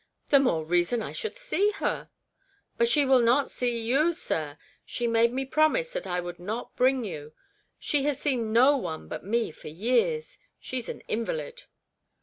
" The more reason I should see her." " But she will not see you, sir ; she made me promise that I would not bring you. She has seen no one but me for years. She's an invalid."